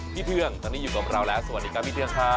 เทืองตอนนี้อยู่กับเราแล้วสวัสดีครับพี่เทืองครับ